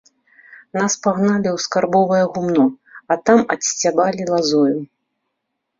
Нас пагналі ў скарбовае гумно, а там адсцябалі лазою.